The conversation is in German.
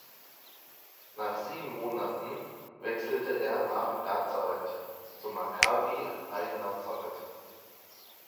Nach sieben Monaten wechselte er nach Nazareth zu Maccabi Ahi Nazareth.